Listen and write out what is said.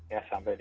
ya sampai di